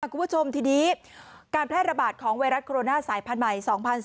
คุณผู้ชมทีนี้การแพร่ระบาดของไวรัสโคโรนาสายพันธุ์ใหม่๒๐๑๙